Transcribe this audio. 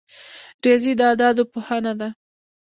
ریاضي د اعدادو پوهنه ده